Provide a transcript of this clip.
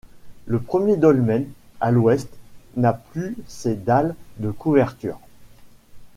Le premier dolmen, à l'ouest, n'a plus ses dalles de couverture.